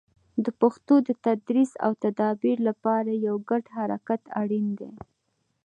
د پښتو د تدریس او تدابیر لپاره یو ګډ حرکت اړین دی.